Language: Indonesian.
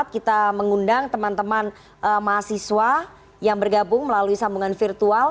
kita mengundang teman teman mahasiswa yang bergabung melalui sambungan virtual